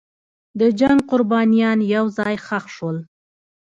د جنګ قربانیان یو ځای ښخ شول.